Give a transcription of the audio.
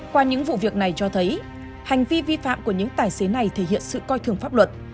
qua những vụ việc này cho thấy hành vi vi phạm của những tài xế này thể hiện sự coi thường pháp luật